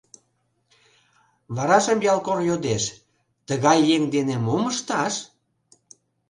Варажым ялкор йодеш: «Тыгай еҥ дене мом ышташ?»